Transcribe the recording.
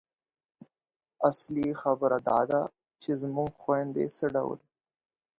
اصلي خبره دا ده چې زموږ خویندې څه ډول